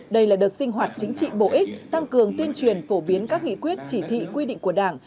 đây là đợt sinh hoạt chính trị bổ ích tăng cường tuyên truyền phổ biến các nghị quyết chỉ thị quy định của đảng